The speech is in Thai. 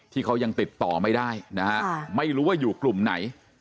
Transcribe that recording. ที่เขายังติดต่อไม่ได้นะฮะไม่รู้ว่าอยู่กลุ่มไหน